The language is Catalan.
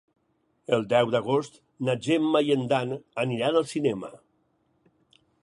El deu d'agost na Gemma i en Dan aniran al cinema.